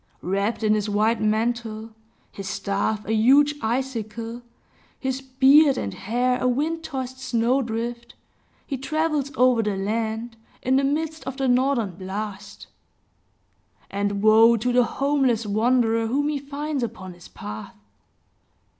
Wrapped in his white mantle, his staff a huge icicle, his beard and hair a wind tossed snow drift, he travels over the land, in the midst of the northern blast; and woe to the homeless wanderer whom he finds upon his path!